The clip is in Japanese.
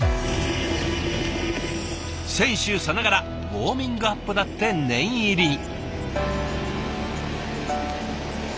選手さながらウォーミングアップだって念入りに。